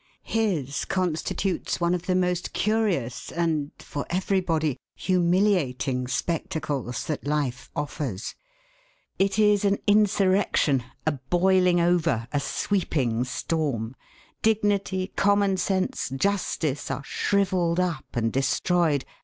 His constitutes one of the most curious and (for everybody) humiliating spectacles that life offers. It is an insurrection, a boiling over, a sweeping storm. Dignity, common sense, justice are shrivelled up and destroyed.